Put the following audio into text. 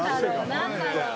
何だろう？